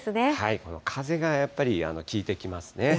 この風がやっぱり効いてきますね。